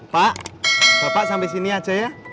pak bapak sampai sini aja ya